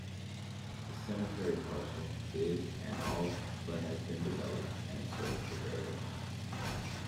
The cemetery parcel is and all but has been developed and sold for burials.